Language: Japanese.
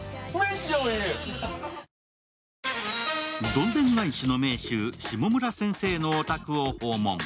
どんでん返しの名手、下村先生のお宅を訪問。